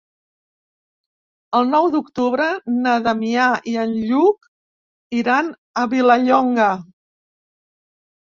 El nou d'octubre na Damià i en Lluc iran a Vilallonga.